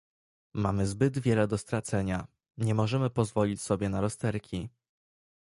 Mamy zbyt wiele do stracenia, nie możemy pozwolić sobie na rozterki